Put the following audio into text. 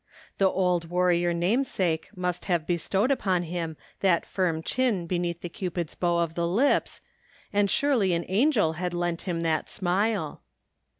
The old warrior namesake must have bestowed upon him that firm chin beneath the cupid's bow of the lips, and surely an angd had lent him that smile